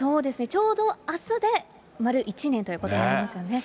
ちょうどあすで丸１年ということになりますよね。